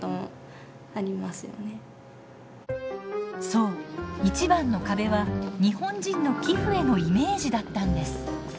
そう一番の壁は日本人の寄付へのイメージだったんです。